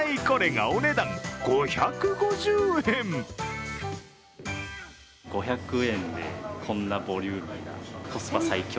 これがお値段５５０円。